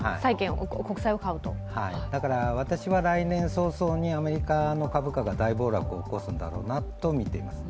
私はだから、来年早々にアメリカの株価が大暴落を起こすとみています。